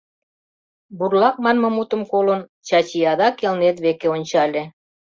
«Бурлак» манме мутым колын, Чачи адак Элнет веке ончале.